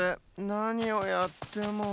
なにをやっても。